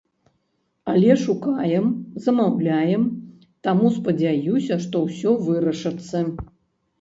Але шукаем, замаўляем, таму спадзяюся, што ўсё вырашыцца.